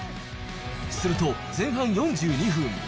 すると、前半４２分。